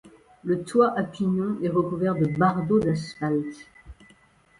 Le toit à pignon est recouvert de bardeaux d'asphalte.